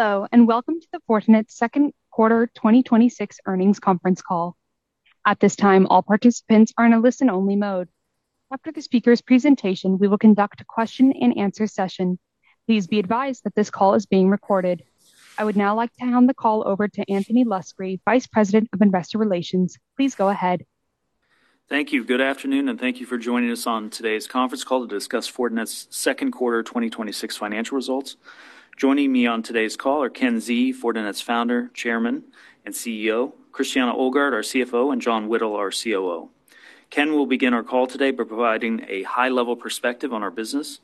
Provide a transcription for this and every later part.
Hello. Welcome to the Fortinet second quarter 2026 earnings conference call. At this time, all participants are in a listen-only mode. After the speaker's presentation, we will conduct a question and answer session. Please be advised that this call is being recorded. I would now like to hand the call over to Anthony Luskey, Vice President of Investor Relations. Please go ahead. Thank you. Good afternoon. Thank you for joining us on today's conference call to discuss Fortinet's second quarter 2026 financial results. Joining me on today's call are Ken Xie, Fortinet's Founder, Chairman, and CEO, Christiane Ohlgart, our CFO, and John Whittle, our COO. Ken will begin our call today by providing a high-level perspective on our business.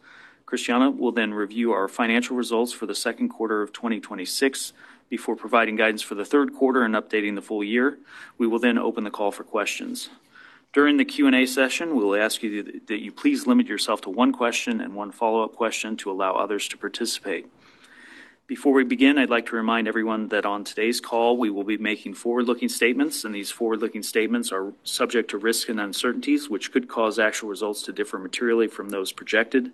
Christiane will then review our financial results for the second quarter of 2026 before providing guidance for the third quarter and updating the full year. We will then open the call for questions. During the Q&A session, we will ask that you please limit yourself to one question and one follow-up question to allow others to participate. Before we begin, I'd like to remind everyone that on today's call, we will be making forward-looking statements. These forward-looking statements are subject to risks and uncertainties, which could cause actual results to differ materially from those projected.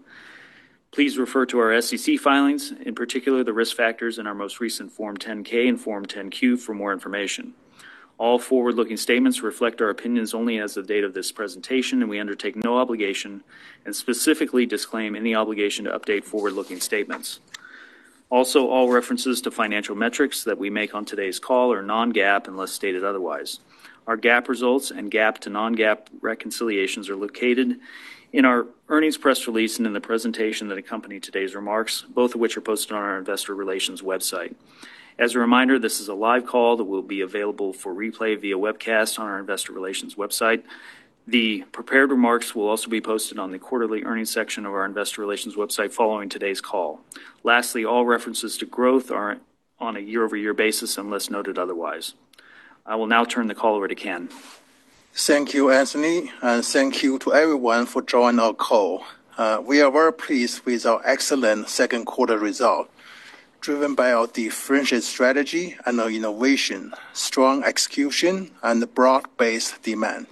Please refer to our SEC filings, in particular, the risk factors in our most recent Form 10-K and Form 10-Q for more information. All forward-looking statements reflect our opinions only as of the date of this presentation. We undertake no obligation and specifically disclaim any obligation to update forward-looking statements. All references to financial metrics that we make on today's call are non-GAAP unless stated otherwise. Our GAAP results and GAAP to non-GAAP reconciliations are located in our earnings press release and in the presentation that accompany today's remarks, both of which are posted on our investor relations website. As a reminder, this is a live call that will be available for replay via webcast on our investor relations website. The prepared remarks will also be posted on the quarterly earnings section of our investor relations website following today's call. Lastly, all references to growth are on a year-over-year basis unless noted otherwise. I will now turn the call over to Ken. Thank you, Anthony, and thank you to everyone for joining our call. We are very pleased with our excellent second quarter result, driven by our differentiated strategy and our innovation, strong execution, and broad-based demand.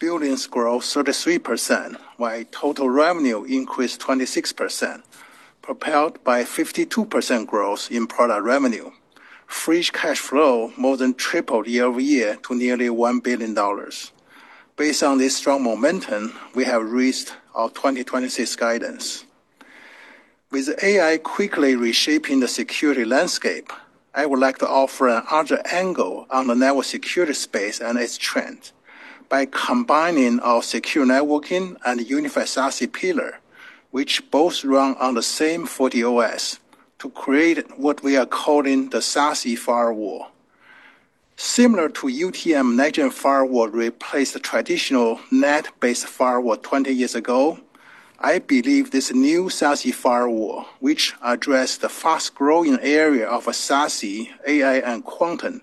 Billings growth 33%, while total revenue increased 26%, propelled by 52% growth in product revenue. Free cash flow more than tripled year-over-year to nearly $1 billion. Based on this strong momentum, we have raised our 2026 guidance. With AI quickly reshaping the security landscape, I would like to offer another angle on the network security space and its trend by combining our Secure Networking and Unified SASE pillar, which both run on the same FortiOS, to create what we are calling the SASE firewall. Similar to UTM next-gen firewall replaced the traditional net-based firewall 20 years ago, I believe this new SASE firewall, which address the fast-growing area of SASE, AI, and quantum,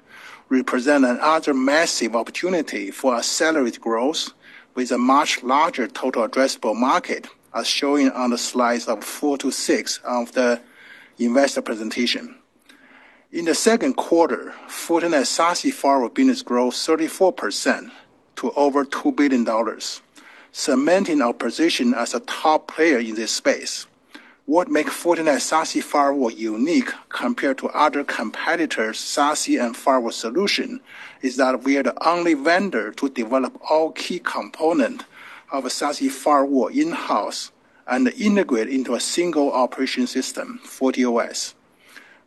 represent another massive opportunity for accelerated growth with a much larger total addressable market, as shown on the slides of four to six of the investor presentation. In the second quarter, Fortinet SASE Firewall business growth 34% to over $2 billion, cementing our position as a top player in this space. What make Fortinet SASE Firewall unique compared to other competitors' SASE and firewall solution is that we are the only vendor to develop all key component of a SASE firewall in-house and integrate into a single operation system, FortiOS.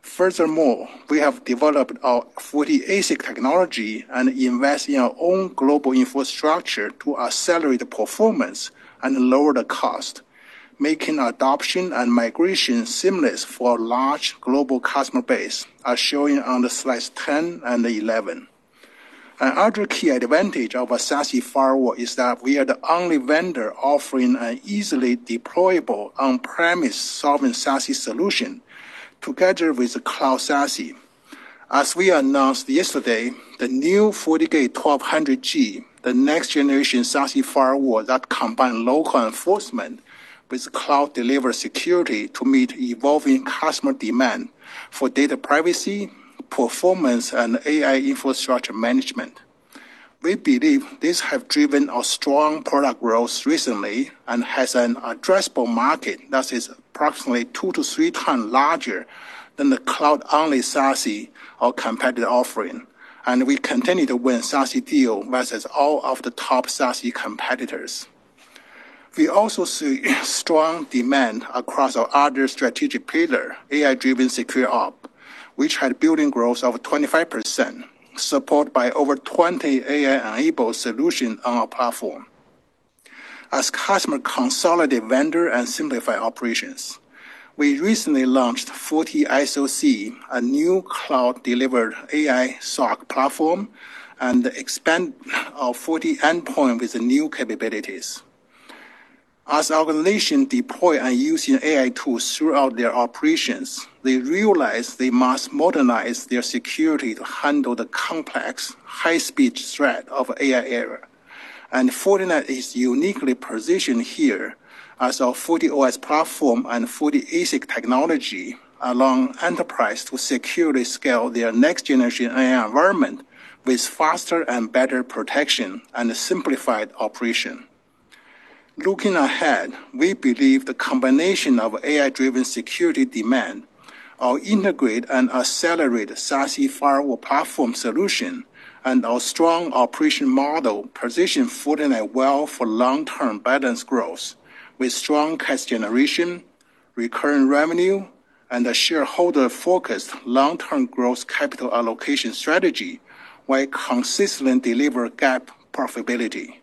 Furthermore, we have developed our FortiASIC technology and invest in our own global infrastructure to accelerate the performance and lower the cost, making adoption and migration seamless for a large global customer base, as shown on the slides 10 and 11. Another key advantage of a SASE firewall is that we are the only vendor offering an easily deployable on-premise Sovereign SASE solution together with the cloud SASE. As we announced yesterday, the new FortiGate 1200G, the next generation SASE firewall that combine local enforcement with cloud-delivered security to meet evolving customer demand for data privacy, performance, and AI infrastructure management. We believe this have driven a strong product growth recently and has an addressable market that is approximately two to three times larger than the cloud-only SASE or competitor offering. We continue to win SASE deal versus all of the top SASE competitors. We also see strong demand across our other strategic pillar, AI-driven SecOps, which had billings growth of 25%, supported by over 20 AI-enabled solutions on our platform. As customer consolidate vendor and simplify operations, we recently launched FortiSOC, a new cloud-delivered AI SOC platform, and expand our FortiEDR with new capabilities. As organization deploy and using AI tools throughout their operations, they realize they must modernize their security to handle the complex, high-speed threat of AI era. Fortinet is uniquely positioned here as our FortiOS platform and FortiASIC technology allow enterprise to securely scale their next-generation AI environment with faster and better protection and simplified operation. Looking ahead, we believe the combination of AI-driven security demand, our integrate and accelerate SASE firewall platform solution, and our strong operation model position Fortinet well for long-term balanced growth with strong cash generation, recurring revenue, and a shareholder-focused long-term growth capital allocation strategy, while consistently deliver GAAP profitability.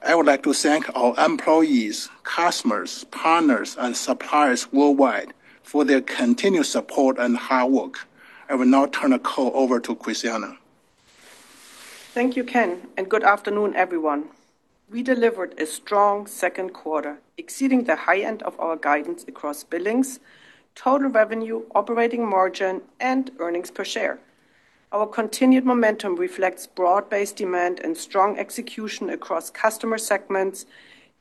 I would like to thank our employees, customers, partners, and suppliers worldwide for their continued support and hard work. I will now turn the call over to Christiane. Thank you, Ken, and good afternoon, everyone. We delivered a strong second quarter, exceeding the high end of our guidance across billings, total revenue, operating margin, and earnings per share. Our continued momentum reflects broad-based demand and strong execution across customer segments,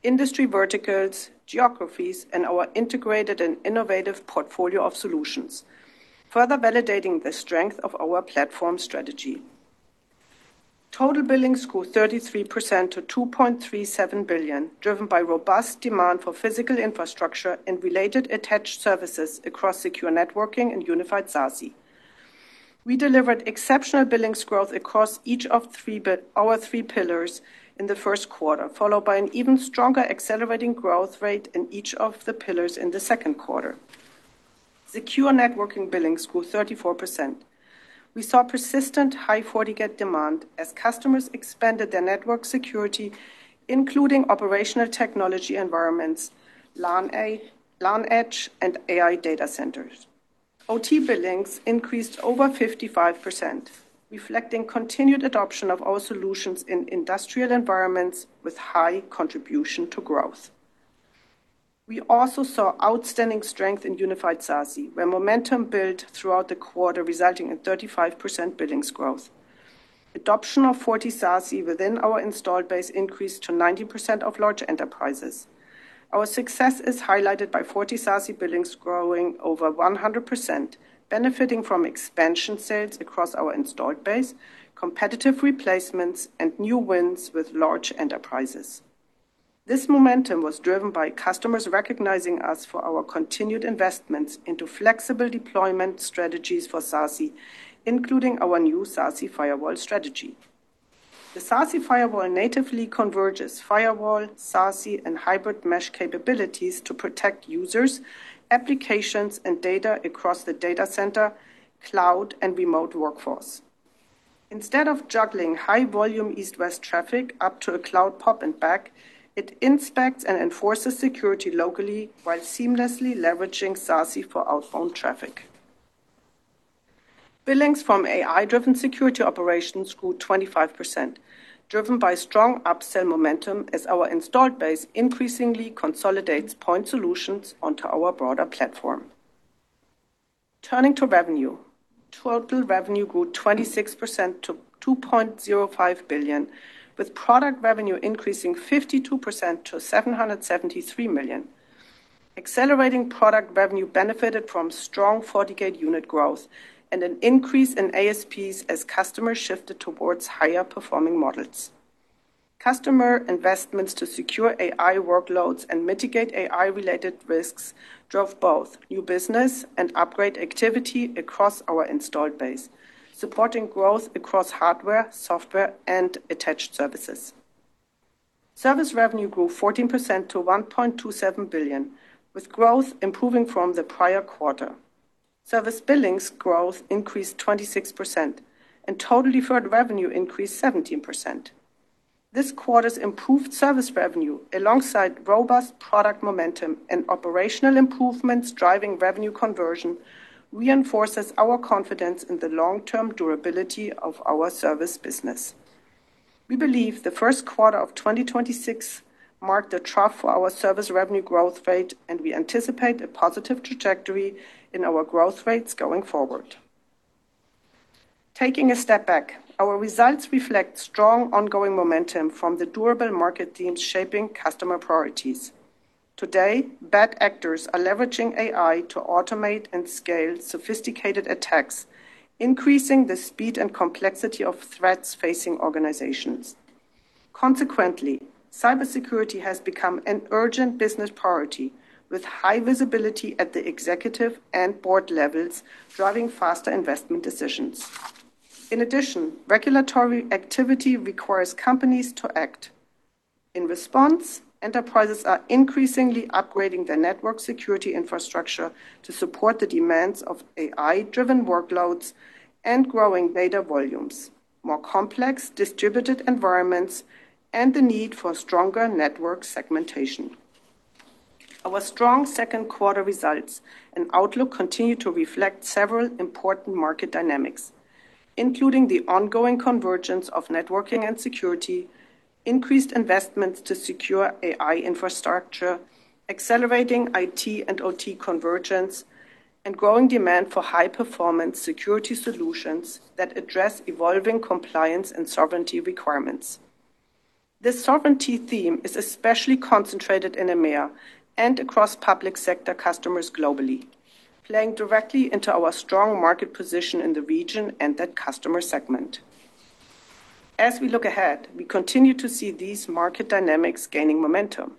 industry verticals, geographies, and our integrated and innovative portfolio of solutions, further validating the strength of our platform strategy. Total billings grew 33% to $2.37 billion, driven by robust demand for physical infrastructure and related attached services across Secure Networking and Unified SASE. We delivered exceptional billings growth across each of our three pillars in the first quarter, followed by an even stronger accelerating growth rate in each of the pillars in the second quarter. Secure Networking billings grew 34%. We saw persistent high FortiGate demand as customers expanded their network security, including operational technology environments, LAN edge, and AI data centers. OT billings increased over 55%, reflecting continued adoption of our solutions in industrial environments with high contribution to growth. We also saw outstanding strength in Unified SASE, where momentum built throughout the quarter, resulting in 35% billings growth. Adoption of FortiSASE within our installed base increased to 90% of large enterprises. Our success is highlighted by FortiSASE billings growing over 100%, benefiting from expansion sales across our installed base, competitive replacements, and new wins with large enterprises. This momentum was driven by customers recognizing us for our continued investments into flexible deployment strategies for SASE, including our new SASE firewall strategy. The SASE firewall natively converges firewall, SASE, and hybrid mesh capabilities to protect users, applications, and data across the data center, cloud, and remote workforce. Instead of juggling high-volume east-west traffic up to a cloud pop and back, it inspects and enforces security locally while seamlessly leveraging SASE for outbound traffic. Billings from AI-driven Security Operations grew 25%, driven by strong upsell momentum as our installed base increasingly consolidates point solutions onto our broader platform. Turning to revenue, total revenue grew 26% to $2.05 billion, with product revenue increasing 52% to $773 million. Accelerating product revenue benefited from strong FortiGate unit growth and an increase in ASPs as customers shifted towards higher performing models. Customer investments to secure AI workloads and mitigate AI-related risks drove both new business and upgrade activity across our installed base, supporting growth across hardware, software, and attached services. Service revenue grew 14% to $1.27 billion, with growth improving from the prior quarter. Service billings growth increased 26%, and total deferred revenue increased 17%. This quarter's improved service revenue, alongside robust product momentum and operational improvements driving revenue conversion, reinforces our confidence in the long-term durability of our service business. We believe the first quarter of 2026 marked a trough for our service revenue growth rate, and we anticipate a positive trajectory in our growth rates going forward. Taking a step back, our results reflect strong ongoing momentum from the durable market themes shaping customer priorities. Today, bad actors are leveraging AI to automate and scale sophisticated attacks, increasing the speed and complexity of threats facing organizations. Consequently, cybersecurity has become an urgent business priority with high visibility at the executive and board levels, driving faster investment decisions. In addition, regulatory activity requires companies to act. In response, enterprises are increasingly upgrading their network security infrastructure to support the demands of AI-driven workloads and growing data volumes, more complex distributed environments, and the need for stronger network segmentation. Our strong second quarter results and outlook continue to reflect several important market dynamics, including the ongoing convergence of networking and security, increased investments to secure AI infrastructure, accelerating IT and OT convergence, and growing demand for high-performance security solutions that address evolving compliance and sovereignty requirements. This sovereignty theme is especially concentrated in EMEA and across public sector customers globally, playing directly into our strong market position in the region and that customer segment. As we look ahead, we continue to see these market dynamics gaining momentum,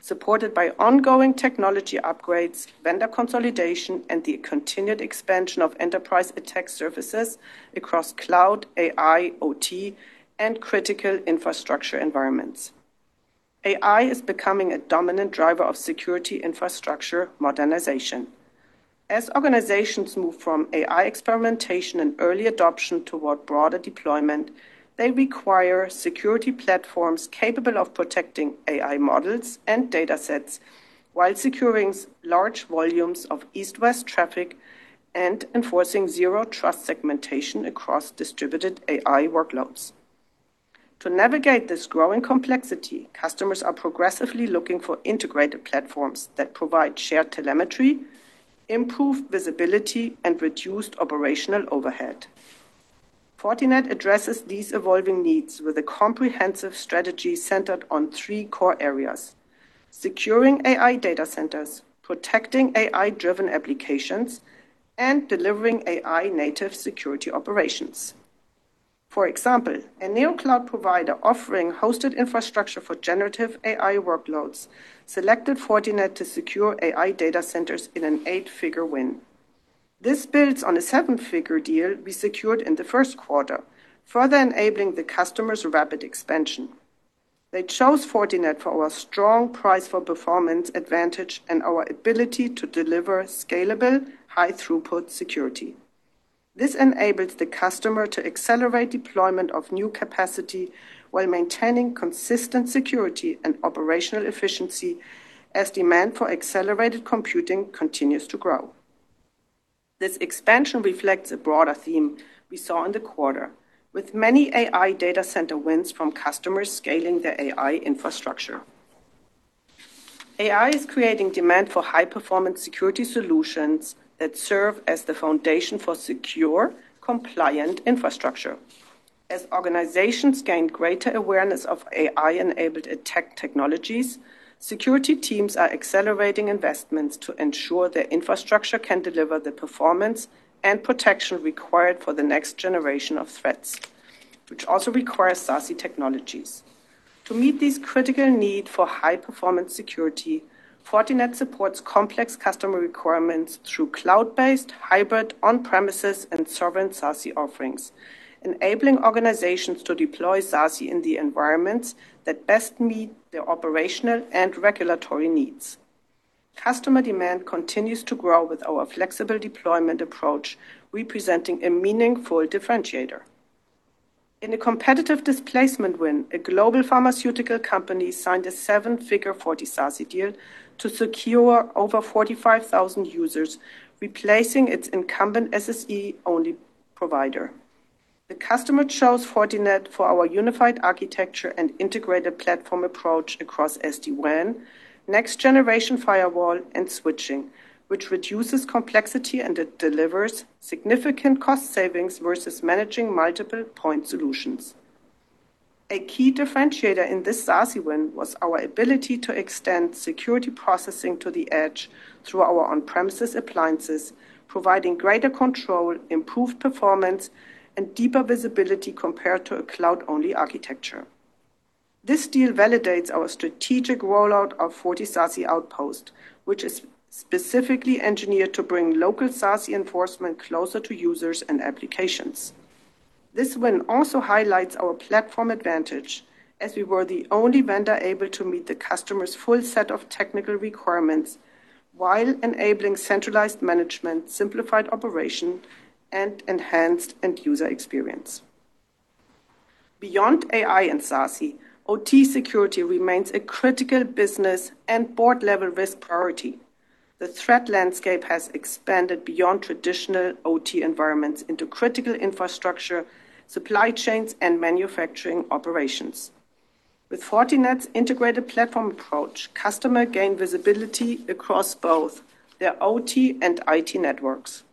supported by ongoing technology upgrades, vendor consolidation, and the continued expansion of enterprise attack services across cloud, AI, OT, and critical infrastructure environments. AI is becoming a dominant driver of security infrastructure modernization. As organizations move from AI experimentation and early adoption toward broader deployment, they require security platforms capable of protecting AI models and data sets while securing large volumes of east-west traffic and enforcing zero-trust segmentation across distributed AI workloads. To navigate this growing complexity, customers are progressively looking for integrated platforms that provide shared telemetry, improved visibility, and reduced operational overhead. Fortinet addresses these evolving needs with a comprehensive strategy centered on three core areas: securing AI data centers, protecting AI-driven applications, and delivering AI-native security operations. For example, a new cloud provider offering hosted infrastructure for generative AI workloads selected Fortinet to secure AI data centers in an eight-figure win. This builds on a seven-figure deal we secured in the first quarter, further enabling the customer's rapid expansion. They chose Fortinet for our strong price for performance advantage and our ability to deliver scalable, high throughput security. This enables the customer to accelerate deployment of new capacity while maintaining consistent security and operational efficiency as demand for accelerated computing continues to grow. This expansion reflects a broader theme we saw in the quarter, with many AI data center wins from customers scaling their AI infrastructure. AI is creating demand for high-performance security solutions that serve as the foundation for secure, compliant infrastructure. As organizations gain greater awareness of AI-enabled attack technologies, security teams are accelerating investments to ensure their infrastructure can deliver the performance and protection required for the next generation of threats, which also requires SASE technologies. To meet these critical need for high-performance security, Fortinet supports complex customer requirements through cloud-based, hybrid, on-premises, and Sovereign SASE offerings, enabling organizations to deploy SASE in the environments that best meet their operational and regulatory needs. Customer demand continues to grow with our flexible deployment approach, representing a meaningful differentiator. In a competitive displacement win, a global pharmaceutical company signed a 7-figure FortiSASE deal to secure over 45,000 users, replacing its incumbent SSE-only provider. The customer chose Fortinet for our unified architecture and integrated platform approach across SD-WAN, next-generation firewall, and switching, which reduces complexity and it delivers significant cost savings versus managing multiple point solutions. A key differentiator in this SASE win was our ability to extend security processing to the edge through our on-premises appliances, providing greater control, improved performance, and deeper visibility compared to a cloud-only architecture. This deal validates our strategic rollout of FortiSASE Outpost, which is specifically engineered to bring local SASE enforcement closer to users and applications. This win also highlights our platform advantage, as we were the only vendor able to meet the customer's full set of technical requirements while enabling centralized management, simplified operation, and enhanced end-user experience. Beyond AI and SASE, OT security remains a critical business and board-level risk priority. The threat landscape has expanded beyond traditional OT environments into critical infrastructure, supply chains, and manufacturing operations. With Fortinet's integrated platform approach, customer gain visibility across both their OT and IT networks.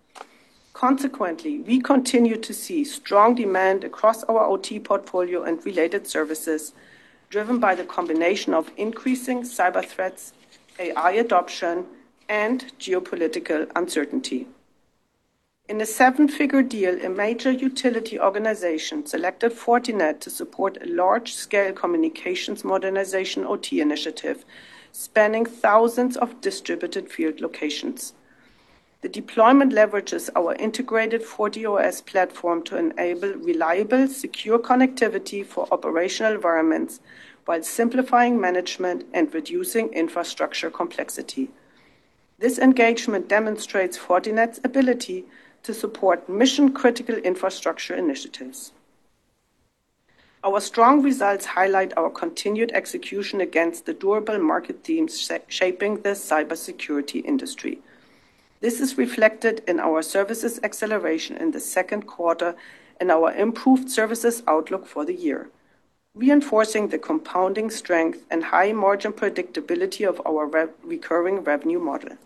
We continue to see strong demand across our OT portfolio and related services, driven by the combination of increasing cyber threats, AI adoption, and geopolitical uncertainty. In a 7-figure deal, a major utility organization selected Fortinet to support a large-scale communications modernization OT initiative, spanning thousands of distributed field locations. The deployment leverages our integrated FortiOS platform to enable reliable, secure connectivity for operational environments while simplifying management and reducing infrastructure complexity. This engagement demonstrates Fortinet's ability to support mission-critical infrastructure initiatives. Our strong results highlight our continued execution against the durable market themes shaping the cybersecurity industry. This is reflected in our services acceleration in the second quarter and our improved services outlook for the year, reinforcing the compounding strength and high margin predictability of our recurring revenue model.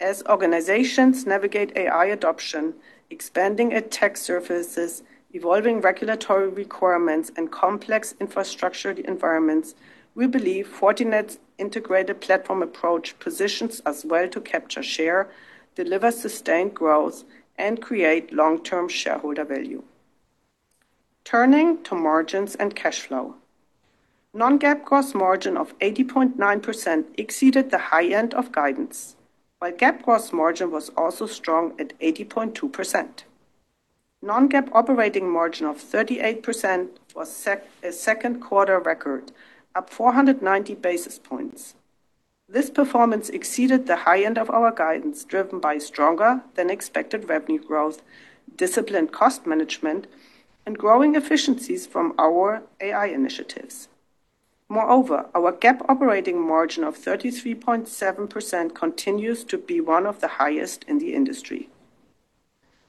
As organizations navigate AI adoption, expanding attack surfaces, evolving regulatory requirements, and complex infrastructure environments, we believe Fortinet's integrated platform approach positions us well to capture share, deliver sustained growth, and create long-term shareholder value. Turning to margins and cash flow. Non-GAAP gross margin of 80.9% exceeded the high end of guidance, while GAAP gross margin was also strong at 80.2%. Non-GAAP operating margin of 38% was a second quarter record, up 490 basis points. This performance exceeded the high end of our guidance, driven by stronger than expected revenue growth, disciplined cost management, and growing efficiencies from our AI initiatives. Our GAAP operating margin of 33.7% continues to be one of the highest in the industry.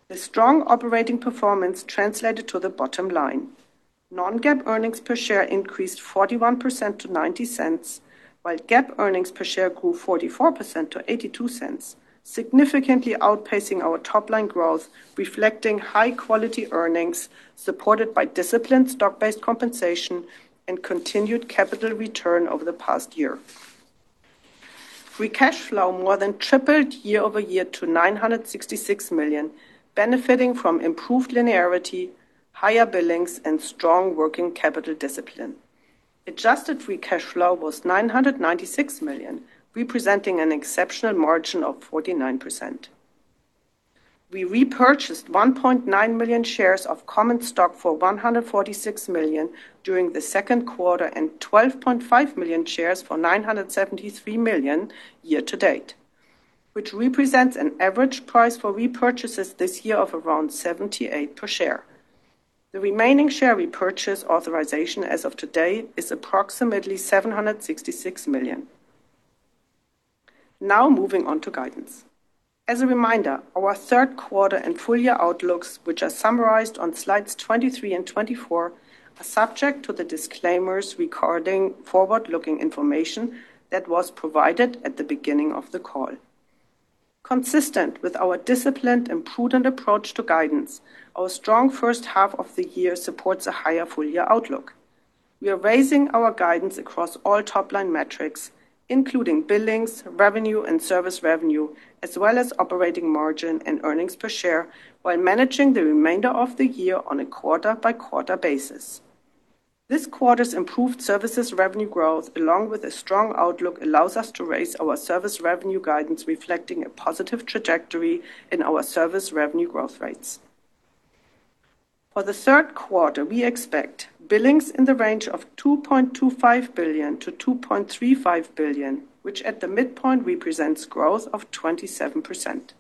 The strong operating performance translated to the bottom line. Non-GAAP earnings per share increased 41% to $0.90, while GAAP earnings per share grew 44% to $0.82, significantly outpacing our top-line growth, reflecting high-quality earnings supported by disciplined stock-based compensation and continued capital return over the past year. Free cash flow more than tripled year-over-year to $966 million, benefiting from improved linearity, higher billings, and strong working capital discipline. Adjusted free cash flow was $996 million, representing an exceptional margin of 49%. We repurchased $1.9 million shares of common stock for $146 million during the second quarter, and $12.5 million shares for $973 million year to date, which represents an average price for repurchases this year of around $78 per share. The remaining share repurchase authorization as of today is approximately $766 million. Moving on to guidance. As a reminder, our third quarter and full-year outlooks, which are summarized on slides 23 and 24, are subject to the disclaimers regarding forward-looking information that was provided at the beginning of the call. Consistent with our disciplined and prudent approach to guidance, our strong first half of the year supports a higher full-year outlook. We are raising our guidance across all top-line metrics, including billings, revenue, and service revenue, as well as operating margin and earnings per share, while managing the remainder of the year on a quarter-by-quarter basis. This quarter's improved services revenue growth, along with a strong outlook, allows us to raise our service revenue guidance, reflecting a positive trajectory in our service revenue growth rates. For the third quarter, we expect billings in the range of $2.25 billion-$2.35 billion, which at the midpoint represents growth of 27%.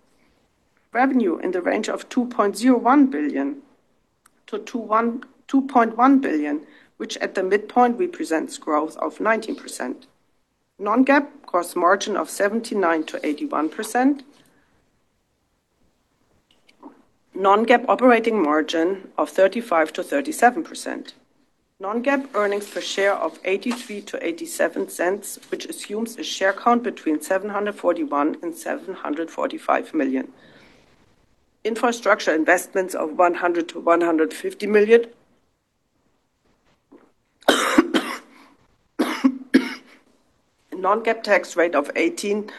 Revenue in the range of $2.01 billion-$2.1 billion, which at the midpoint represents growth of 19%. non-GAAP gross margin of 79%-81%. non-GAAP operating margin of 35%-37%. non-GAAP earnings per share of $0.83-$0.87, which assumes a share count between 741 and 745 million. Infrastructure investments of $100 million-$150 million. non-GAAP tax rate of 18%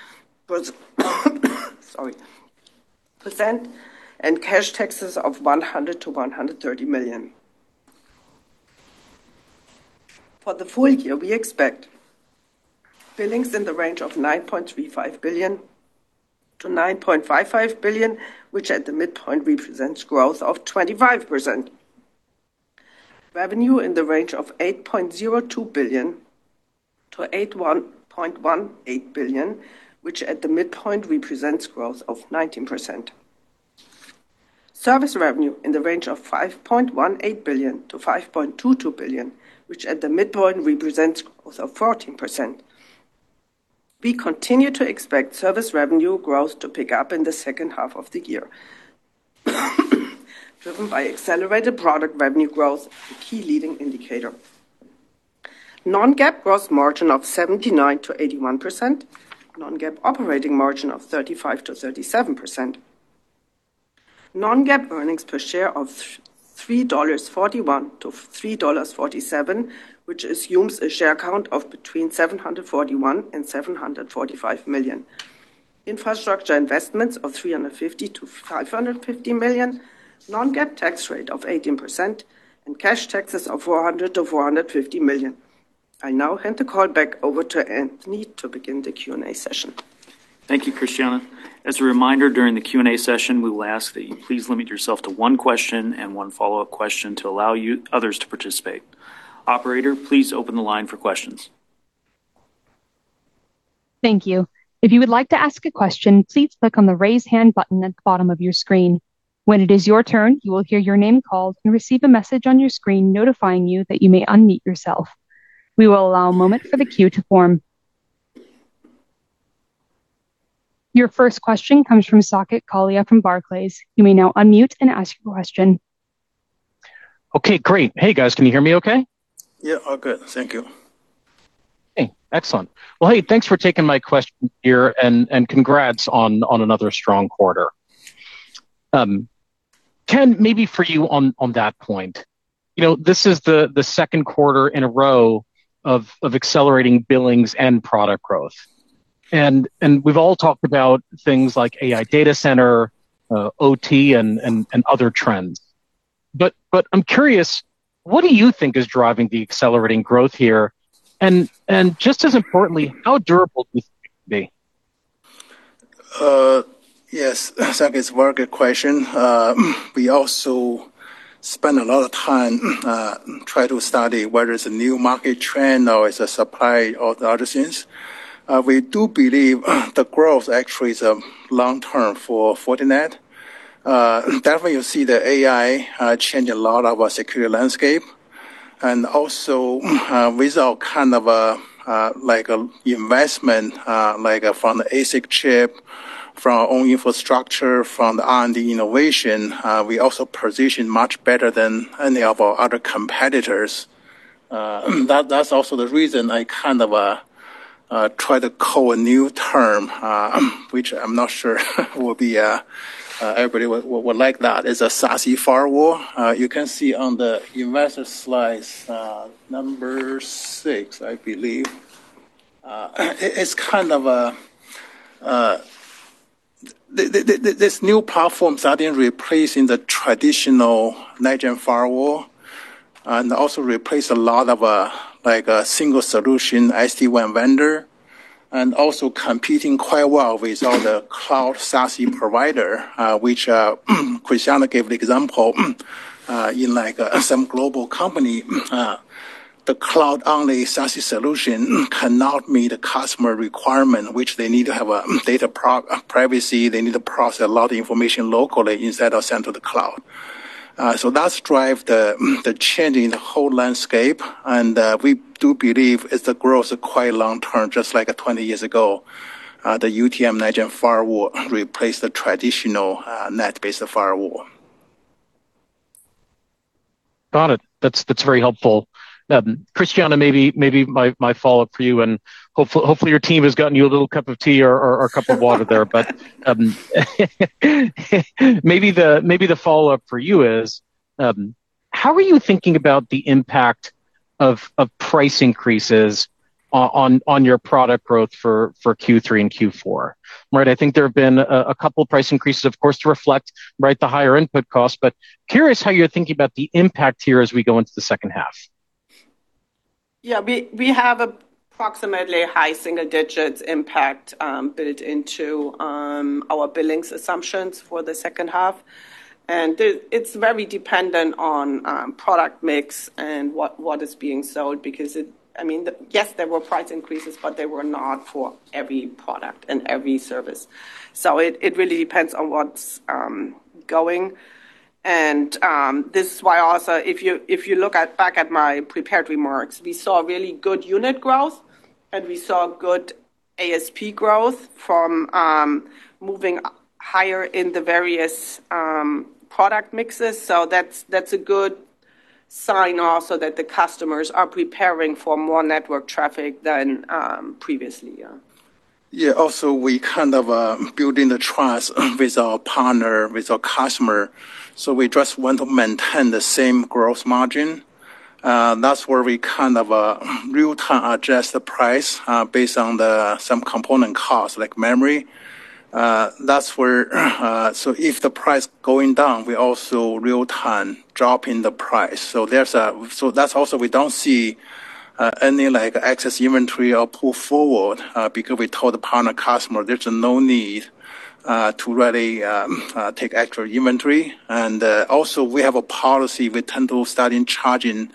and cash taxes of $100 million-$130 million. For the full year, we expect billings in the range of $9.35 billion-$9.55 billion, which at the midpoint represents growth of 25%. Revenue in the range of $8.02 billion-$8.18 billion, which at the midpoint represents growth of 19%. Service revenue in the range of $5.18 billion-$5.22 billion, which at the midpoint represents growth of 14%. We continue to expect service revenue growth to pick up in the second half of the year, driven by accelerated product revenue growth, a key leading indicator. non-GAAP gross margin of 79%-81%. non-GAAP operating margin of 35%-37%. non-GAAP earnings per share of $3.41-$3.47, which assumes a share count of between 741 and 745 million. Infrastructure investments of $350 million-$550 million. non-GAAP tax rate of 18%, and cash taxes of $400 million-$450 million. Hand the call back over to Anthony to begin the Q&A session. Thank you, Christiane. As a reminder, during the Q&A session, we will ask that you please limit yourself to one question and one follow-up question to allow others to participate. Operator, please open the line for questions. Thank you. If you would like to ask a question, please click on the Raise Hand button at the bottom of your screen. When it is your turn, you will hear your name called and receive a message on your screen notifying you that you may unmute yourself. We will allow a moment for the queue to form. Your first question comes from Saket Kalia from Barclays. You may now unmute and ask your question. Okay, great. Hey, guys, can you hear me okay? Yeah, all good. Thank you. Hey, excellent. Well, hey, thanks for taking my question here, and congrats on another strong quarter. Ken, maybe for you on that point. This is the second quarter in a row of accelerating billings and product growth. We've all talked about things like AI data center, OT, and other trends. I'm curious, what do you think is driving the accelerating growth here? Just as importantly, how durable do you think it will be? Yes, Saket's very good question. We also spend a lot of time try to study whether it's a new market trend or it's a supply or the other things. We do believe the growth actually is long-term for Fortinet. Definitely you see the AI change a lot of our security landscape. With our investment from the ASIC chip, from our own infrastructure, from the R&D innovation, we also position much better than any of our other competitors. That's also the reason I try to call a new term, which I'm not sure everybody would like. That is a SASE firewall. You can see on the investor slides, number six, I believe. These new platforms are then replacing the traditional next-gen firewall, and also replace a lot of single solution SD-WAN vendor. Also competing quite well with all the cloud SASE provider, which Christiane gave the example in some global company. The cloud-only SASE solution cannot meet the customer requirement, which they need to have data privacy. They need to process a lot of information locally instead of sent to the cloud. That's drive the change in the whole landscape. We do believe it's the growth quite long-term, just like 20 years ago. The UTM next-gen firewall replaced the traditional net-based firewall. Got it. That's very helpful. Christiane, maybe my follow-up for you. Hopefully your team has gotten you a little cup of tea or a cup of water there. Maybe the follow-up for you is, how are you thinking about the impact of price increases on your product growth for Q3 and Q4? I think there have been a couple price increases, of course, to reflect the higher input costs. Curious how you're thinking about the impact here as we go into the second half. We have approximately high single digits impact built into our billings assumptions for the second half. It's very dependent on product mix and what is being sold because, yes, there were price increases, but they were not for every product and every service. It really depends on what's going. This is why also, if you look back at my prepared remarks, we saw really good unit growth, and we saw good ASP growth from moving higher in the various product mixes. That's a good sign also that the customers are preparing for more network traffic than previously. Also we kind of building the trust with our partner, with our customer. We just want to maintain the same growth margin. That's where we kind of real time adjust the price based on some component cost, like memory. If the price going down, we also real time drop in the price. That's also we don't see any excess inventory or pull forward, because we told the partner customer there's no need to really take extra inventory. Also we have a policy, we tend to start charging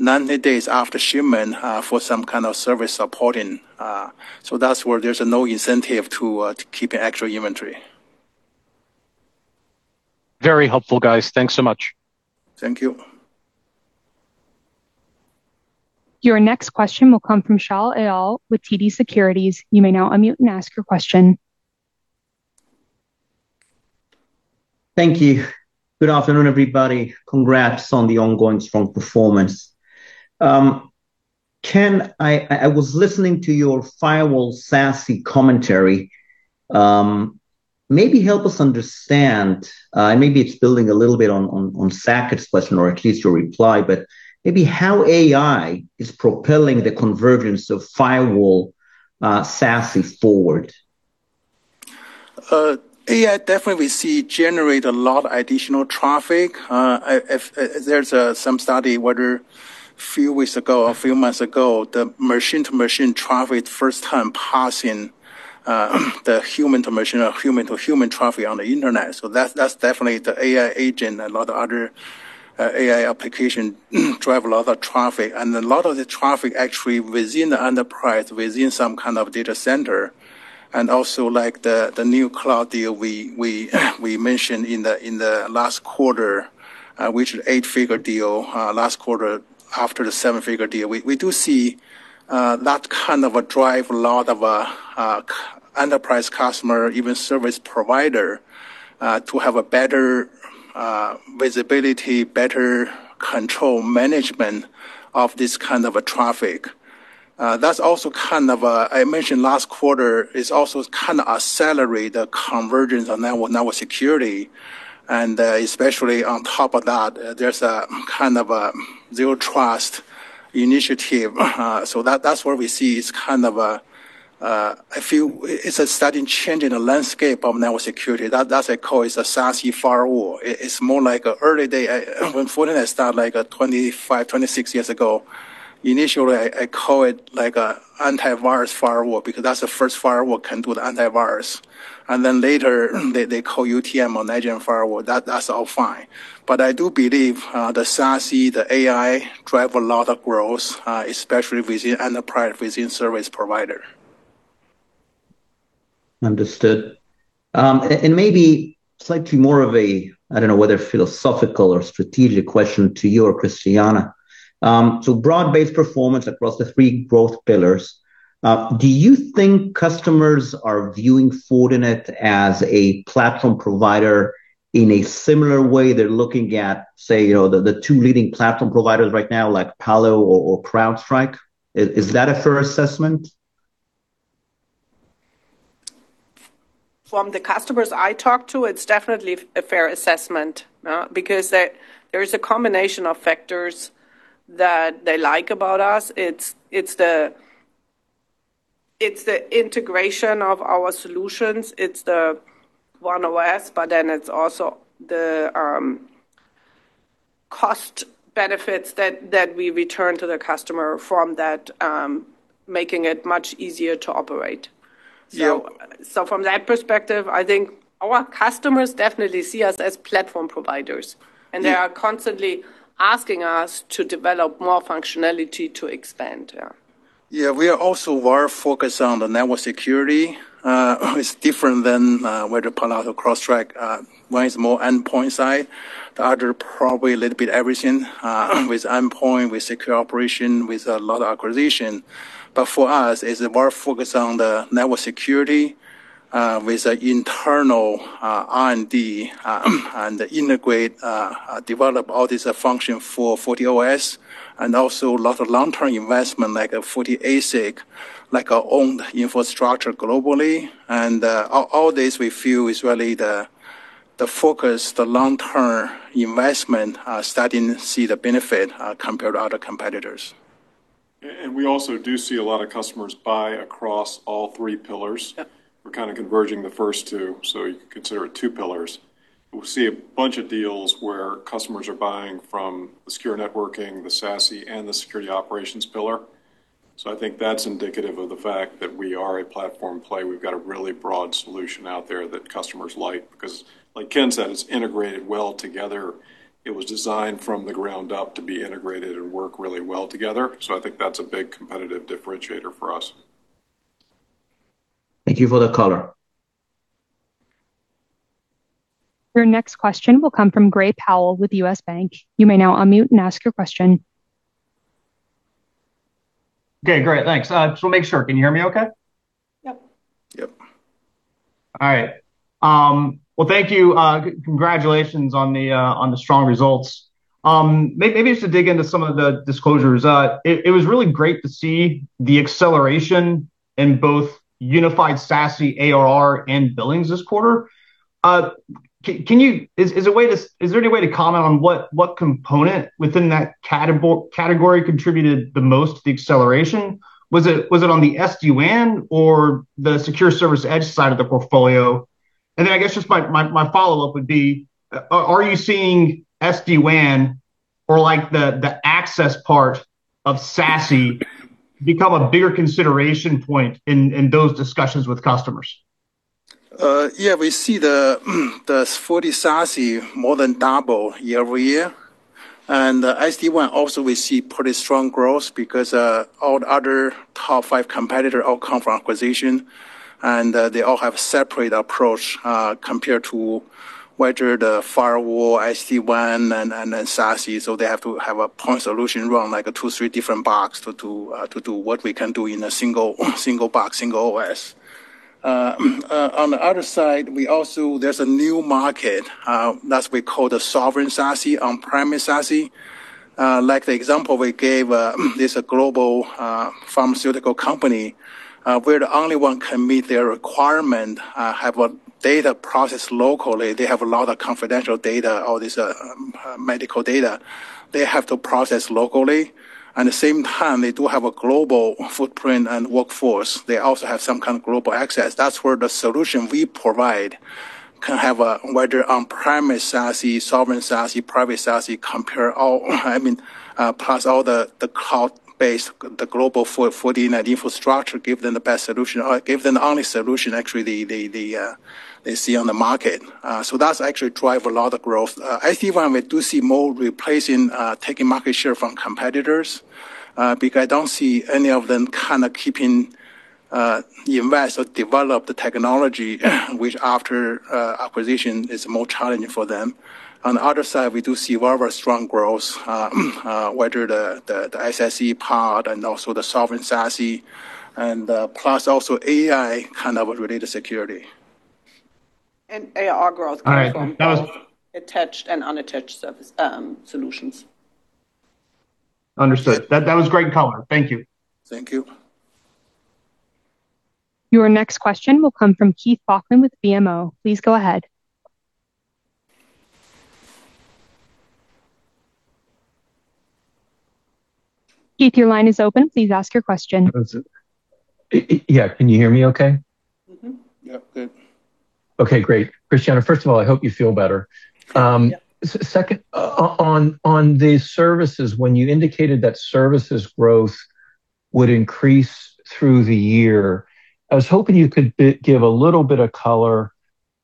90 days after shipment for some kind of service supporting. That's where there's no incentive to keep extra inventory. Very helpful, guys. Thanks so much. Thank you. Your next question will come from Shaul Eyal with TD Securities. You may now unmute and ask your question. Thank you. Good afternoon, everybody. Congrats on the ongoing strong performance. Ken, I was listening to your firewall SASE commentary. Maybe help us understand, and maybe it's building a little bit on Saket's question or at least your reply, but maybe how AI is propelling the convergence of firewall SASE forward. AI definitely we see generate a lot additional traffic. There's some study, whether few weeks ago or few months ago, the machine-to-machine traffic first time passing the human-to-machine or human-to-human traffic on the internet. That's definitely the AI agent and a lot of other AI application drive a lot of traffic. A lot of the traffic actually within the enterprise, within some kind of data center. Also like the new cloud deal we mentioned in the last quarter, which is eight-figure deal last quarter after the seven-figure deal. We do see that kind of drive a lot of enterprise customer, even service provider, to have a better visibility, better control management of this kind of traffic. That's also, I mentioned last quarter, is also kind of accelerate the convergence on network security. Especially on top of that, there's a kind of a zero-trust initiative. That's what we see is a studying change in the landscape of network security. That's I call is a SASE firewall. It's more like a early day, when Fortinet start like 25, 26 years ago. Initially, I call it like a antivirus firewall, because that's the first firewall can do the antivirus. Then later, they call UTM or next-gen firewall. That's all fine. I do believe the SASE, the AI drive a lot of growth, especially within enterprise, within service provider. Understood. Maybe slightly more of a, I don't know whether philosophical or strategic question to you or Christiana. Broad-based performance across the three growth pillars, do you think customers are viewing Fortinet as a platform provider in a similar way they're looking at, say, the two leading platform providers right now, like Palo or CrowdStrike? Is that a fair assessment? From the customers I talk to, it's definitely a fair assessment. There is a combination of factors that they like about us. It's the integration of our solutions. It's the one OS, it's also the cost benefits that we return to the customer from that, making it much easier to operate. Yeah. From that perspective, I think our customers definitely see us as platform providers. Yeah. They are constantly asking us to develop more functionality to expand, yeah. Yeah, we are also very focused on the network security. It's different than Palo Alto, CrowdStrike. One is more endpoint side, the other probably a little bit everything, with endpoint, with secure operation, with a lot of acquisition. For us, is more focused on the network security, with internal R&D, and integrate, develop all this function for FortiOS, and also lot of long-term investment like FortiASIC, like our own infrastructure globally. All this we feel is really the focus, the long-term investment are starting to see the benefit compared to other competitors. We also do see a lot of customers buy across all three pillars. Yeah. We're kind of converging the first two, you could consider it two pillars. We'll see a bunch of deals where customers are buying from the Secure Networking, the SASE, and the security operations pillar. I think that's indicative of the fact that we are a platform play. We've got a really broad solution out there that customers like, because like Ken said, it's integrated well together. It was designed from the ground up to be integrated and work really well together. I think that's a big competitive differentiator for us. Thank you for the color. Your next question will come from Gray Powell with U.S. Bank. You may now unmute and ask your question. Okay, great. Thanks. Just want to make sure, can you hear me okay? Yep. Yep. All right. Well, thank you. Congratulations on the strong results. Maybe just to dig into some of the disclosures. It was really great to see the acceleration in both Unified SASE ARR and billings this quarter. Is there any way to comment on what component within that category contributed the most to the acceleration? Was it on the SD-WAN or the secure service edge side of the portfolio? I guess just my follow-up would be, are you seeing SD-WAN or the access part of SASE become a bigger consideration point in those discussions with customers? Yeah, we see the FortiSASE more than double year-over-year. SD-WAN also we see pretty strong growth because all the other top five competitor all come from acquisition, and they all have separate approach compared to whether the firewall, SD-WAN, and then SASE. They have to have a point solution run like a two, three different box to do what we can do in a single box, single OS. On the other side, there's a new market, that we call the Sovereign SASE, on-premise SASE. Like the example we gave, this global pharmaceutical company. We're the only one can meet their requirement, have a data processed locally. They have a lot of confidential data, all this medical data. They have to process locally. At the same time, they do have a global footprint and workforce. They also have some kind of global access. That's where the solution we provide can have a, whether on-premise SASE, Sovereign SASE, private SASE, plus all the cloud-based, the global Fortinet infrastructure, give them the best solution, or give them the only solution actually they see on the market. That's actually drive a lot of growth. SD-WAN, we do see more replacing, taking market share from competitors, because I don't see any of them keeping, invest or develop the technology, which after acquisition is more challenging for them. On the other side, we do see very strong growth, whether the SSE part and also the Sovereign SASE, and plus also AI kind of related security. ARR growth comes from All right. That was attached and unattached service solutions. Understood. That was great color. Thank you. Thank you. Your next question will come from Keith Bachman with BMO. Please go ahead. Keith, your line is open. Please ask your question. Yeah. Can you hear me okay? Yep, good. Okay, great. Christiane, first of all, I hope you feel better. Yeah. Second, on the services, when you indicated that services growth would increase through the year, I was hoping you could give a little bit of color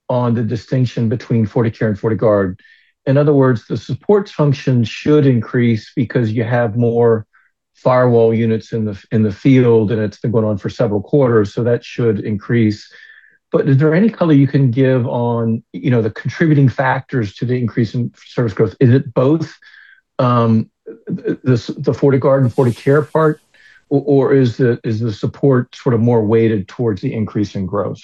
on the distinction between FortiCare and FortiGuard. In other words, the supports function should increase because you have more firewall units in the field, and it's been going on for several quarters, so that should increase. Is there any color you can give on the contributing factors to the increase in service growth? Is it both the FortiGuard and FortiCare part, or is the support more weighted towards the increase in growth?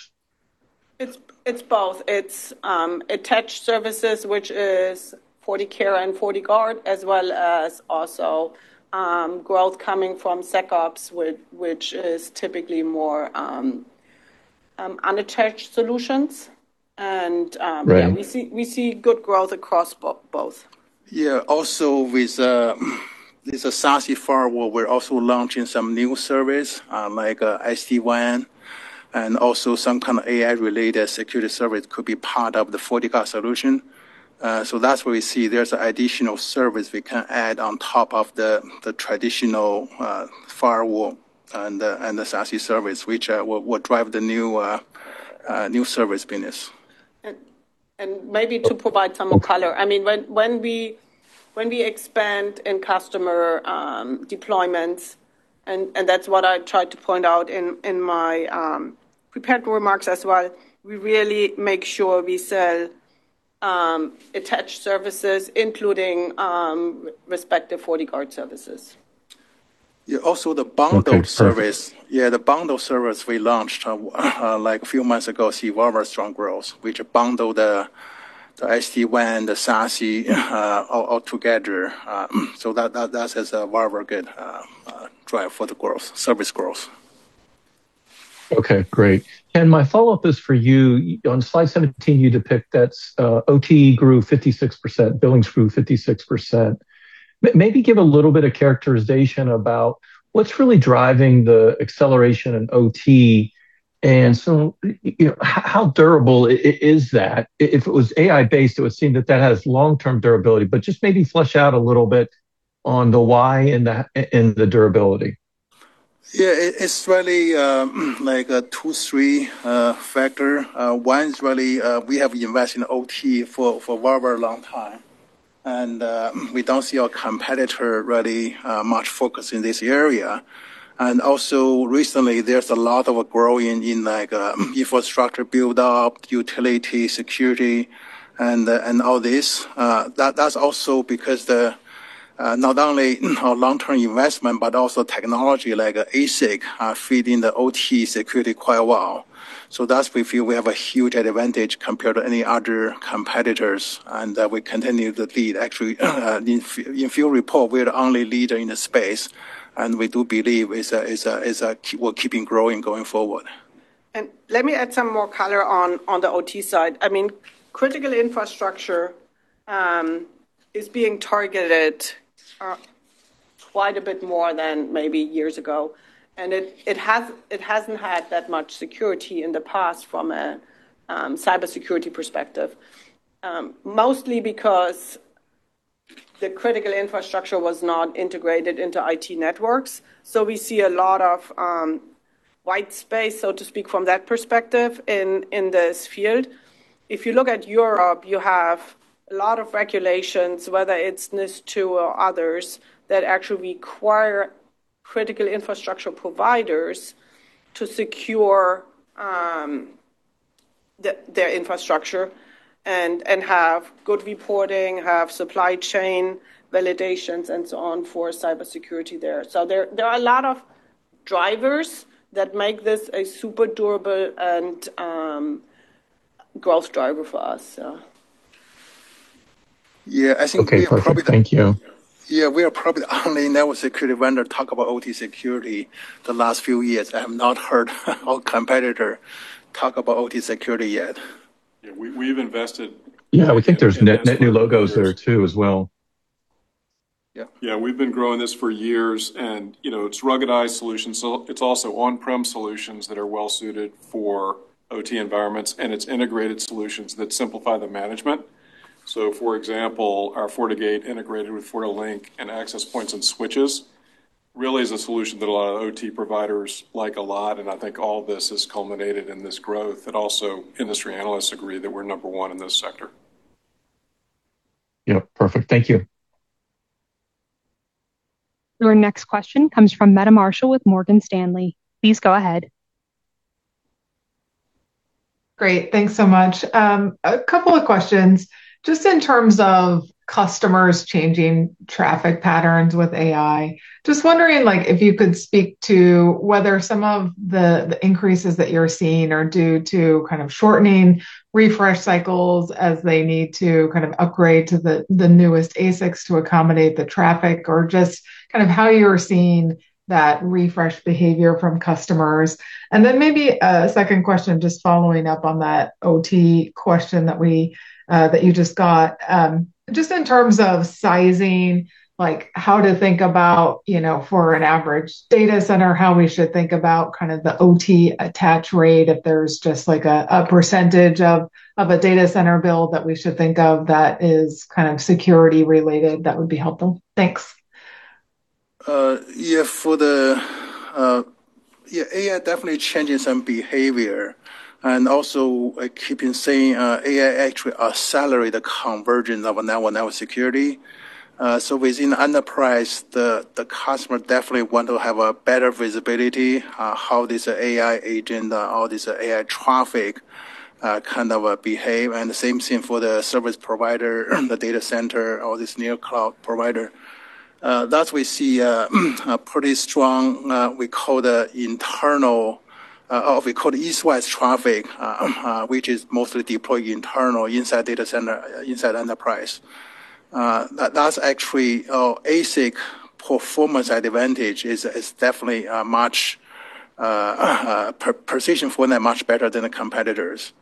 It's both. It's attached services, which is FortiCare and FortiGuard, as well as also growth coming from SecOps, which is typically more unattached solutions. Right. We see good growth across both. With the SASE firewall, we're also launching some new service, like SD-WAN, and also some kind of AI-related security service could be part of the FortiGuard solution. That's what we see. There's additional service we can add on top of the traditional firewall and the SASE service, which will drive the new service business. Maybe to provide some more color. When we expand in customer deployments, and that's what I tried to point out in my prepared remarks as well, we really make sure we sell attached services, including respective FortiGuard services. The bundle service. Okay, perfect yeah, the bundle service we launched a few months ago, we see very strong growth, which bundle the SD-WAN, the SASE all together. That has a very good drive for the service growth. Okay, great. Ken, my follow-up is for you. On slide 17, you depict that OT grew 56%, billings grew 56%. Maybe give a little bit of characterization about what's really driving the acceleration in OT, and how durable is that? If it was AI-based, it would seem that that has long-term durability, but just maybe flesh out a little bit on the why and the durability. Yeah. It's really two, three factor. One is really we have invested in OT for very long time, and we don't see our competitor really much focus in this area. Also recently, there's a lot of growth in infrastructure build-up, utility, security, and all this. That's also because the, not only our long-term investment, but also technology like ASIC are fit in the OT security quite well. Thus, we feel we have a huge advantage compared to any other competitors, and that we continue the lead. Actually, in field report, we are the only leader in the space, and we do believe we're keeping growing going forward. Let me add some more color on the OT side. Critical infrastructure is being targeted quite a bit more than maybe years ago, and it hasn't had that much security in the past from a cybersecurity perspective. Mostly because the critical infrastructure was not integrated into IT networks. We see a lot of white space, so to speak, from that perspective in this field. If you look at Europe, you have a lot of regulations, whether it's NIS2 or others, that actually require critical infrastructure providers to secure their infrastructure and have good reporting, have supply chain validations, and so on, for cybersecurity there. There are a lot of drivers that make this a super durable and growth driver for us. Yeah. I think we are probably the Okay, perfect. Thank you. Yeah. We are probably the only network security vendor talk about OT security the last few years. I have not heard our competitor talk about OT security yet. Yeah, we've invested. Yeah, we think there's net new logos there too as well. Yeah. We've been growing this for years, and it's ruggedized solutions. It's also on-prem solutions that are well-suited for OT environments, and it's integrated solutions that simplify the management. For example, our FortiGate integrated with FortiLink and access points and switches really is a solution that a lot of OT providers like a lot, and I think all this has culminated in this growth. Also, industry analysts agree that we're number one in this sector. Yep. Perfect. Thank you. Your next question comes from Meta Marshall with Morgan Stanley. Please go ahead. Great. Thanks so much. A couple of questions. Just in terms of customers changing traffic patterns with AI, just wondering if you could speak to whether some of the increases that you're seeing are due to shortening refresh cycles as they need to upgrade to the newest ASICs to accommodate the traffic, or just how you're seeing that refresh behavior from customers. Then maybe a second question, just following up on that OT question that you just got. Just in terms of sizing, how to think about, for an average data center, how we should think about the OT attach rate. If there's just a percentage of a data center build that we should think of that is security related, that would be helpful. Thanks. Yeah. AI definitely changing some behavior. Also, I keep saying AI actually accelerate the convergence of a network security. Within enterprise, the customer definitely want to have a better visibility, how this AI agent, all this AI traffic behave, and the same thing for the service provider, the data center, all this new cloud provider. That we see a pretty strong, we call the east-west traffic, which is mostly deployed internal inside data center, inside enterprise. That's actually our ASIC performance advantage is definitely precision for much better than the competitors.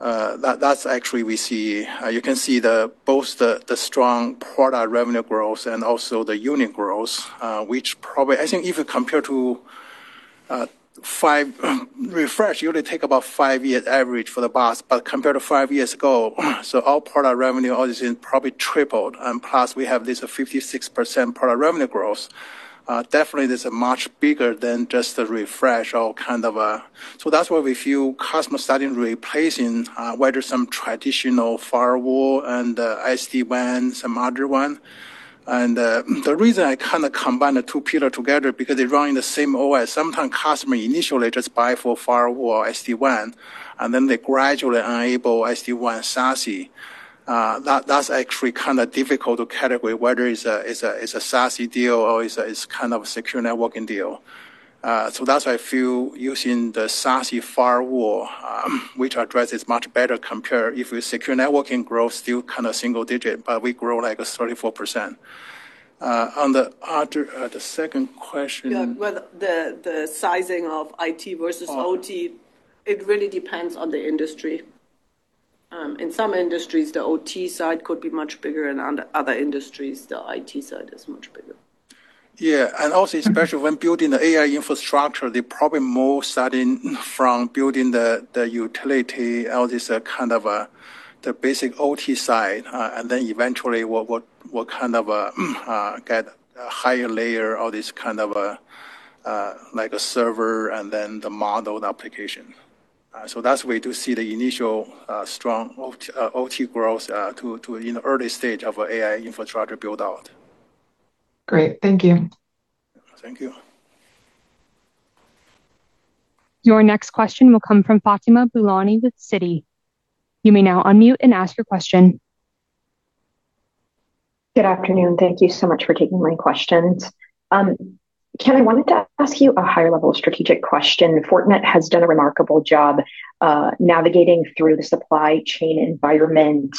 You can see both the strong product revenue growth and also the unit growth, which probably, I think even compared to refresh, usually take about five-year average for the past, but compared to five years ago, our product revenue, all this probably tripled. Plus, we have this 56% product revenue growth. Definitely, this is much bigger than just the refresh. That's why we feel customer starting replacing whether some traditional firewall and SD-WAN, some other one. The reason I combine the two pillar together, because they run in the same OS. Sometimes customer initially just buy for firewall SD-WAN, then they gradually enable SD-WAN SASE. That's actually difficult to category whether it's a SASE deal or it's a Secure Networking deal. That's why I feel using the SASE firewall, which address is much better compared if your Secure Networking growth still single digit, but we grow like 34%. On the second question- Yeah. Well, the sizing of IT versus OT, it really depends on the industry. In some industries, the OT side could be much bigger, and on other industries, the IT side is much bigger. Yeah. Also, especially when building the AI infrastructure, they probably more starting from building the utility, all this basic OT side. Then eventually, we'll get a higher layer, all this like a server and then the modeled application. That's where to see the initial strong OT growth in the early stage of AI infrastructure build-out. Great. Thank you. Thank you. Your next question will come from Fatima Boolani with Citi. You may now unmute and ask your question. Good afternoon. Thank you so much for taking my questions. Ken, I wanted to ask you a higher level strategic question. Fortinet has done a remarkable job navigating through the supply chain environment,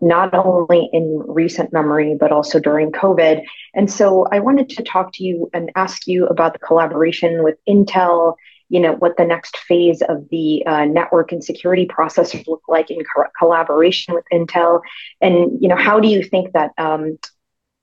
not only in recent memory, but also during COVID. I wanted to talk to you and ask you about the collaboration with Intel, what the next phase of the network and security processors look like in collaboration with Intel. How do you think that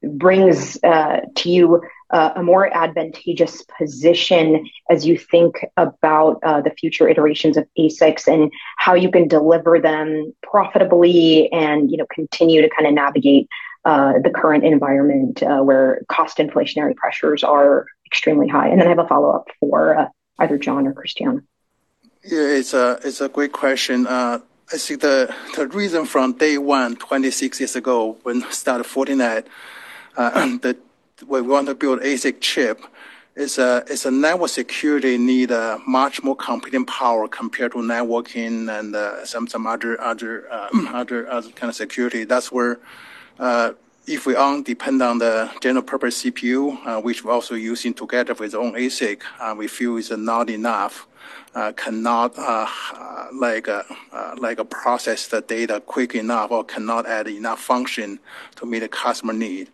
brings to you a more advantageous position as you think about the future iterations of ASICs, and how you can deliver them profitably and continue to navigate the current environment, where cost inflationary pressures are extremely high? Then I have a follow-up for either John or Christiana. Yeah. It's a great question. I think the reason from day one, 26 years ago when we started Fortinet, that we want to build ASIC chip is network security need much more computing power compared to networking and some other kind of security. That's where if we only depend on the general purpose CPU, which we're also using together with our own ASIC, we feel it's not enough. Cannot process the data quick enough or cannot add enough function to meet the customer need.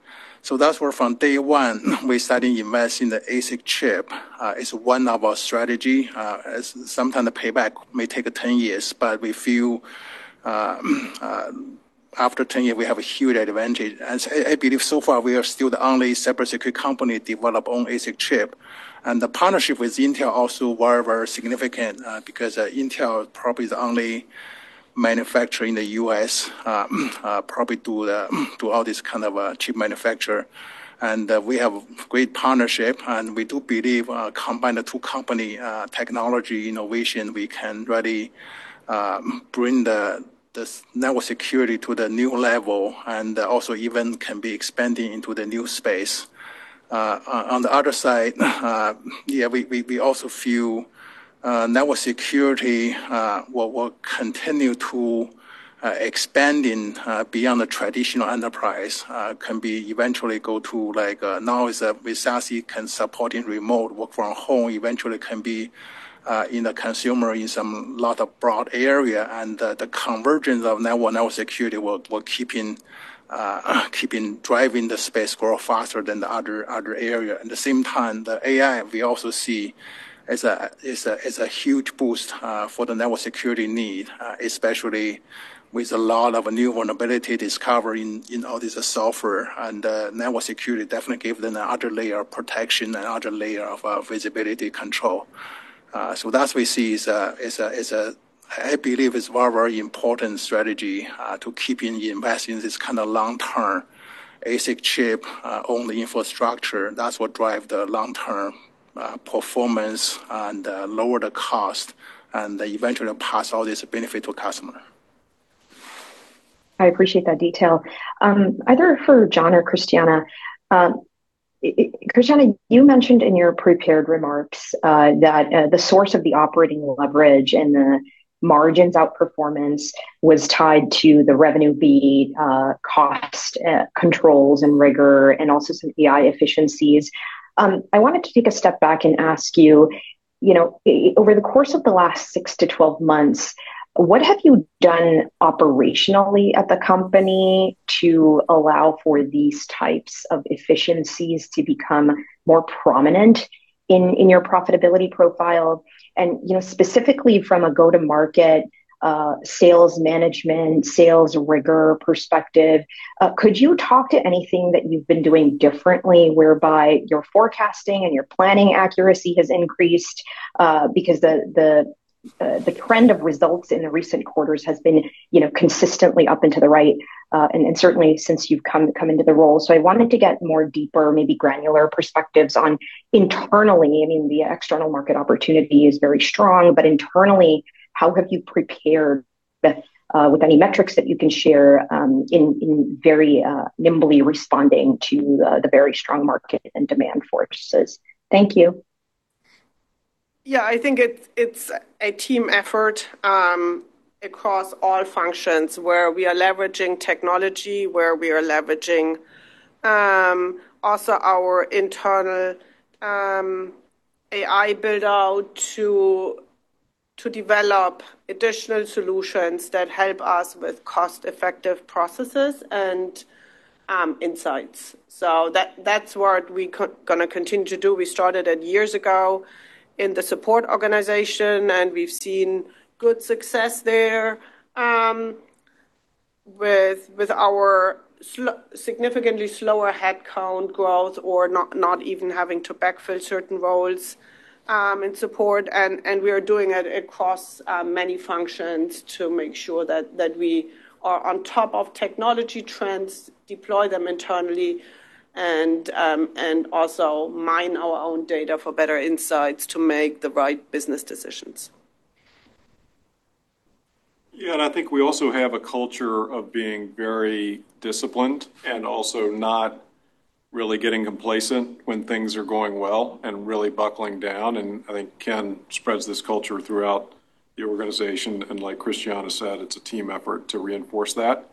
That's where from day one, we started investing the ASIC chip. It's one of our strategy. Sometimes the payback may take 10 years, but we feel After 10 years, we have a huge advantage. I believe so far, we are still the only cybersecurity company develop own ASIC chip. The partnership with Intel also very, very significant, because Intel probably is the only manufacturer in the U.S., probably do all this kind of chip manufacture. We have great partnership, and we do believe combine the two company technology innovation, we can really bring the network security to the new level. Also even can be expanding into the new space. On the other side, yeah, we also feel network security will continue to expanding beyond the traditional enterprise, can be eventually go to like, now with SASE can support in remote work from home, eventually can be in the consumer in some lot of broad area. The convergence of network security will keep in driving the space grow faster than the other area. At the same time, the AI, we also see as a huge boost for the network security need, especially with a lot of new vulnerability discovery in all this software. Network security definitely give them another layer of protection and another layer of visibility control. That we see as, I believe, is very, very important strategy to keeping investing this kind of long-term ASIC chip, own infrastructure. That's what drive the long-term performance and lower the cost, and eventually pass all this benefit to customer. I appreciate that detail. Either for John or Christiane. Christiane, you mentioned in your prepared remarks that the source of the operating leverage and the margins outperformance was tied to the revenue and cost controls and rigor, and also some AI efficiencies. I wanted to take a step back and ask you, over the course of the last six to 12 months, what have you done operationally at the company to allow for these types of efficiencies to become more prominent in your profitability profile? Specifically from a go-to-market, sales management, sales rigor perspective, could you talk to anything that you've been doing differently, whereby your forecasting and your planning accuracy has increased? The trend of results in the recent quarters has been consistently up and to the right, and certainly since you've come into the role. I wanted to get more deeper, maybe granular perspectives on internally, I mean, the external market opportunity is very strong, but internally, how have you prepared with any metrics that you can share in very nimbly responding to the very strong market and demand forces? Thank you. Yeah, I think it's a team effort across all functions, where we are leveraging technology, where we are leveraging also our internal AI build-out to develop additional solutions that help us with cost-effective processes and insights. That's what we going to continue to do. We started it years ago in the support organization, we've seen good success there with our significantly slower headcount growth or not even having to backfill certain roles in support. We are doing it across many functions to make sure that we are on top of technology trends, deploy them internally, and also mine our own data for better insights to make the right business decisions. Yeah, I think we also have a culture of being very disciplined and also not really getting complacent when things are going well and really buckling down. I think Ken spreads this culture throughout the organization. Like Christiane said, it's a team effort to reinforce that.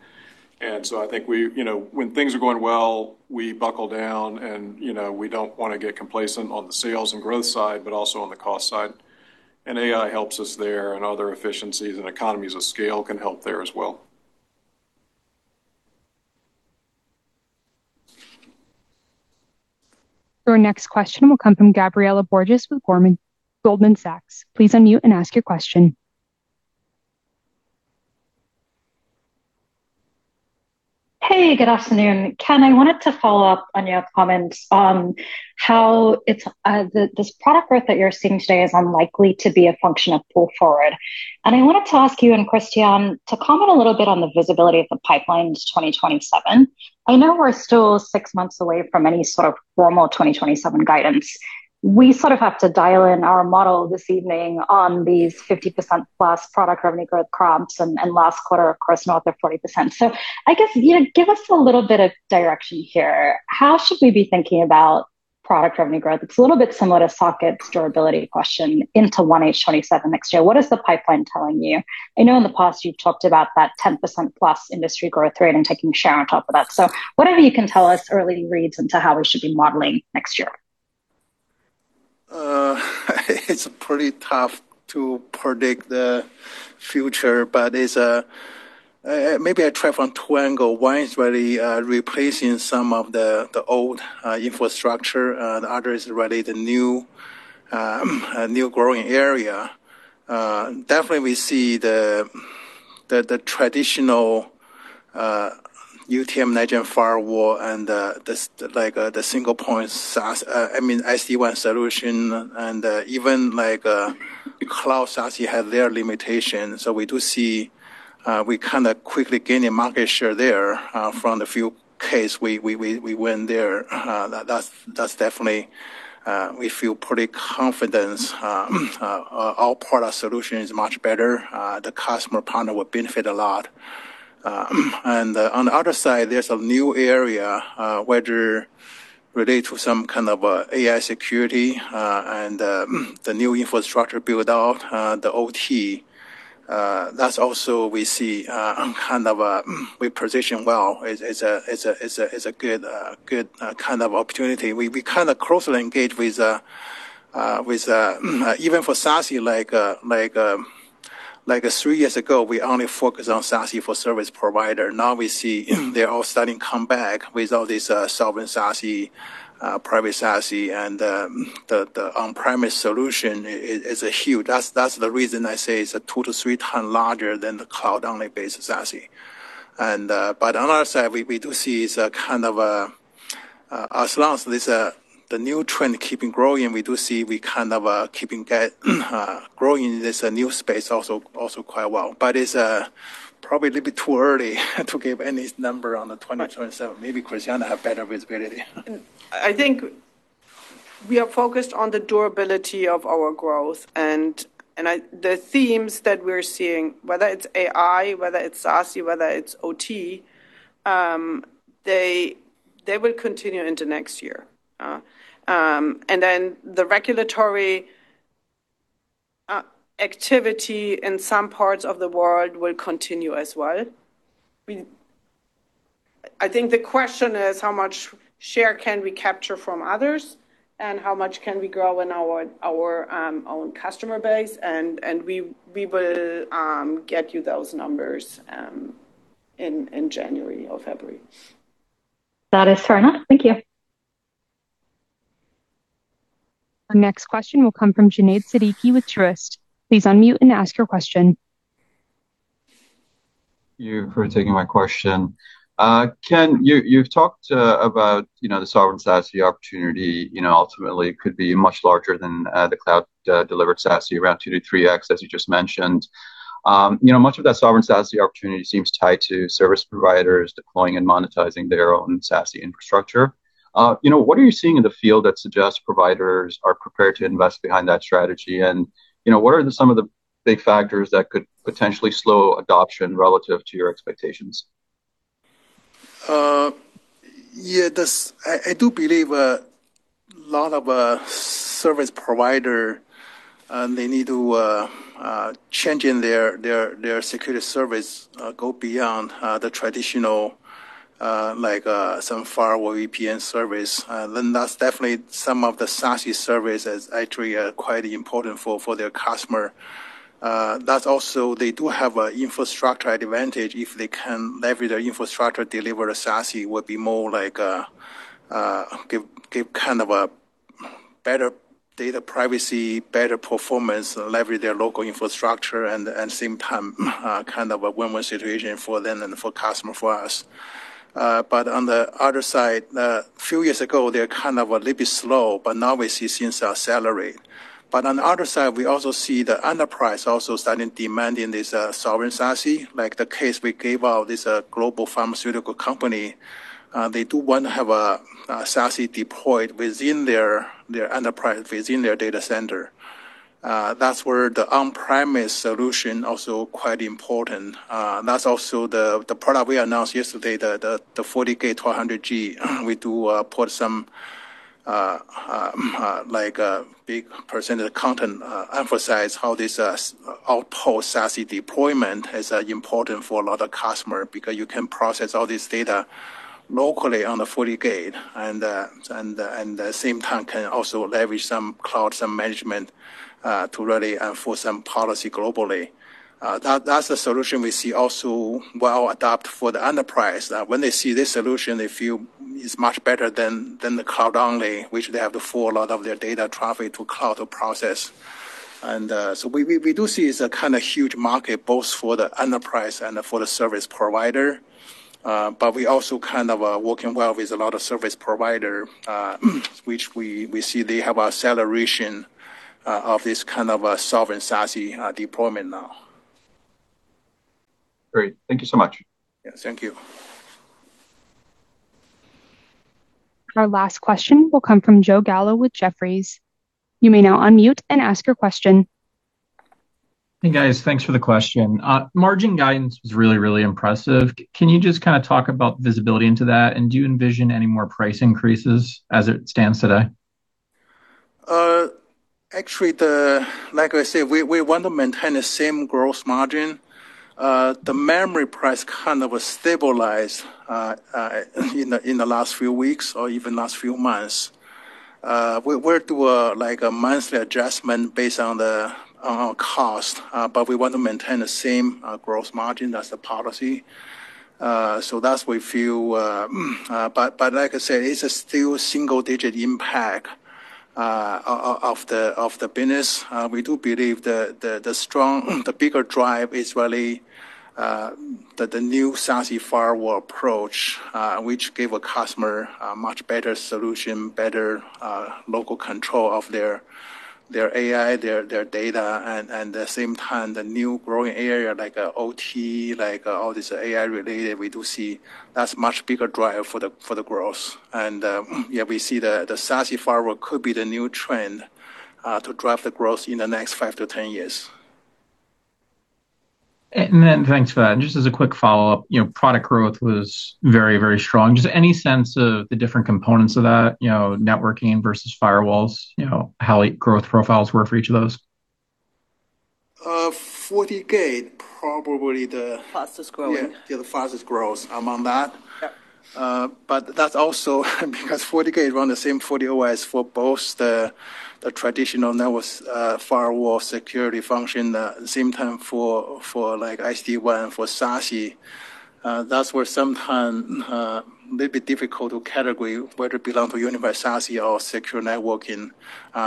I think when things are going well, we buckle down and we don't want to get complacent on the sales and growth side, but also on the cost side. AI helps us there, and other efficiencies and economies of scale can help there as well. Your next question will come from Gabriela Borges with Goldman Sachs. Please unmute and ask your question. Hey, good afternoon. Ken, I wanted to follow up on your comments on how this product growth that you're seeing today is unlikely to be a function of pull forward. I wanted to ask you and Christiane to comment a little bit on the visibility of the pipeline to 2027. I know we're still six months away from any sort of formal 2027 guidance. We sort of have to dial in our model this evening on these 50%+ product revenue growth comps and last quarter, of course, north of 40%. I guess, give us a little bit of direction here. How should we be thinking about product revenue growth? It's a little bit similar to Saket's durability question into 1H 2027 next year. What is the pipeline telling you? I know in the past you've talked about that 10%+ industry growth rate and taking share on top of that. Whatever you can tell us, early reads into how we should be modeling next year. It's pretty tough to predict the future, maybe I try from two angles. One is really replacing some of the old infrastructure. The other is really a new growing area. Definitely, we see the traditional UTM next-gen firewall, and the single point SD-WAN solution, and even cloud SASE have their limitations. We do see we are quickly gaining market share there from the few cases we win there. That's definitely, we feel pretty confident our product solution is much better. The customer partner will benefit a lot. On the other side, there's a new area, whether related to some kind of AI security, and the new infrastructure build out, the OT. That's also we see we are positioned well. It's a good kind of opportunity. We closely engage. Even for SASE, three years ago, we only focused on SASE for service provider. Now we see they're all starting come back with all this Sovereign SASE, Private SASE, and the on-premise solution is huge. That's the reason I say it's two to three times larger than the cloud-only based SASE. On our side, as long as the new trend keeps growing, we do see we keep growing this new space also quite well. It's probably a little bit too early to give any number on the 2027. Maybe Christiana has better visibility. I think we are focused on the durability of our growth, and the themes that we're seeing, whether it's AI, whether it's SASE, whether it's OT, they will continue into next year. The regulatory activity in some parts of the world will continue as well. I think the question is, how much share can we capture from others, and how much can we grow in our own customer base? We will get you those numbers in January or February. That is fair enough. Thank you. Our next question will come from Junaid Siddiqui with Truist. Please unmute and ask your question. Thank you for taking my question. Ken, you've talked about the Sovereign SASE opportunity, ultimately could be much larger than the cloud-delivered SASE, around 2 to 3x as you just mentioned. Much of that Sovereign SASE opportunity seems tied to service providers deploying and monetizing their own SASE infrastructure. What are you seeing in the field that suggests providers are prepared to invest behind that strategy? What are some of the big factors that could potentially slow adoption relative to your expectations? I do believe a lot of service provider, they need to changing their security service, go beyond the traditional, like some firewall VPN service. That's definitely some of the SASE service is actually quite important for their customer. That's also they do have a infrastructure advantage if they can leverage their infrastructure, deliver SASE, would be more like give kind of a better data privacy, better performance, leverage their local infrastructure, and same time, kind of a win-win situation for them and for customer, for us. On the other side, few years ago, they're kind of a little bit slow, but now we see things are accelerating. On the other side, we also see the enterprise also starting demanding this Sovereign SASE. Like the case we gave out, this global pharmaceutical company, they do want to have a SASE deployed within their enterprise, within their data center. That's where the on-premise solution also quite important. That's also the product we announced yesterday, the FortiGate 200G. We do put some big percentage content emphasize how this outpost SASE deployment is important for a lot of customer, because you can process all this data locally on the 40K. The same time can also leverage some cloud, some management, to really enforce some policy globally. That's a solution we see also well adapt for the enterprise. When they see this solution, they feel is much better than the cloud only, which they have to forward a lot of their data traffic to cloud to process. We do see it's a kind of huge market both for the enterprise and for the service provider. We also kind of working well with a lot of service provider, which we see they have acceleration of this kind of a Sovereign SASE deployment now. Great. Thank you so much. Yes. Thank you. Our last question will come from Joe Gallo with Jefferies. You may now unmute and ask your question. Hey, guys. Thanks for the question. Margin guidance was really, really impressive. Can you just kind of talk about visibility into that? Do you envision any more price increases as it stands today? Actually, like I said, we want to maintain the same growth margin. The memory price kind of stabilized in the last few weeks or even last few months. We'll do a monthly adjustment based on the cost, but we want to maintain the same growth margin. That's the policy. Like I said, it's still single-digit impact of the business. We do believe the bigger drive is really that the new SASE firewall approach, which gave a customer a much better solution, better local control of their AI, their data, and the same time, the new growing area, like OT, like all this AI related, we do see that's much bigger driver for the growth. Yeah, we see the SASE firewall could be the new trend to drive the growth in the next five-10 years. Thanks for that. Just as a quick follow-up, product growth was very strong. Just any sense of the different components of that, networking versus firewalls, how growth profiles were for each of those? FortiGate, probably the Fastest growing. Yeah. The fastest growth among that. Yeah. That's also because FortiGate run the same FortiOS for both the traditional networks, firewall security function, at the same time for SD-WAN, for SASE. That's where sometimes little bit difficult to categorize whether it belong to Unified SASE or Secure Networking,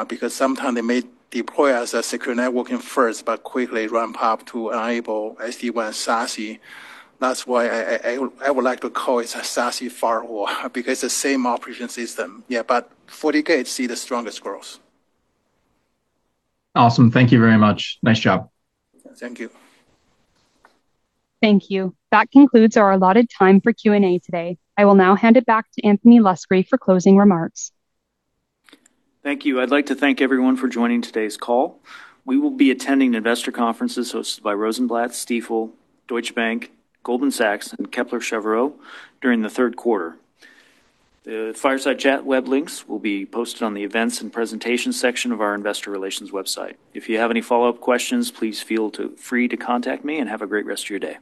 because sometimes they may deploy as a Secure Networking first, but quickly ramp up to enable SD-WAN SASE. That's why I would like to call it a SASE firewall because the same operating system. Yeah. FortiGate see the strongest growth. Awesome. Thank you very much. Nice job. Thank you. Thank you. That concludes our allotted time for Q&A today. I will now hand it back to Anthony Luskey for closing remarks. Thank you. I'd like to thank everyone for joining today's call. We will be attending investor conferences hosted by Rosenblatt, Stifel, Deutsche Bank, Goldman Sachs, and Kepler Cheuvreux during the third quarter. The fireside chat web links will be posted on the events and presentations section of our investor relations website. If you have any follow-up questions, please feel free to contact me, and have a great rest of your day.